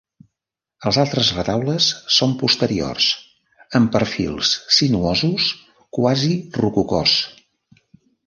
Els altres retaules són posteriors, amb perfils sinuosos quasi rococós.